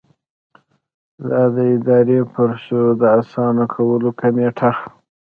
د اداري پروسو د اسانه کولو کمېټه.